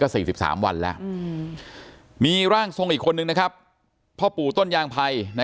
สี่สิบสามวันแล้วมีร่างทรงอีกคนนึงนะครับพ่อปู่ต้นยางไพร